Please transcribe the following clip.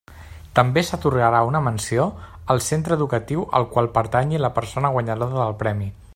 També s'atorgarà una menció al centre educatiu al qual pertanyi la persona guanyadora del Premi.